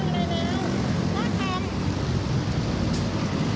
จะทำอีกป่าวพูดหน่อย